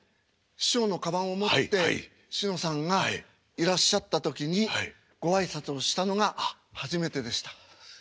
師匠のかばんを持ってしのさんがいらっしゃった時にご挨拶をしたのが初めてでした。